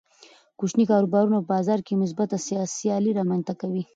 کوچني کاروبارونه په بازار کې مثبته سیالي رامنځته کوي.